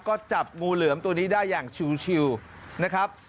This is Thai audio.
ก็จับงูเหลือมตัวนี้ได้อย่างชิวนะครับ